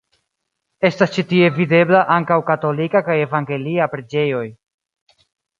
Estas ĉi tie videbla ankaŭ katolika kaj evangelia preĝejoj.